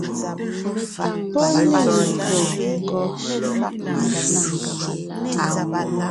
Pɔ́ ne ngÿô kɔ́?